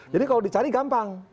jadi kalau dicari gampang